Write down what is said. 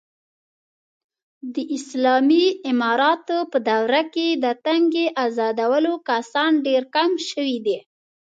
د اسالامي امارت په دوره کې، د تنگې ازادولو کسان ډېر کم شوي دي.